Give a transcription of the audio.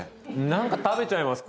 何か食べちゃいます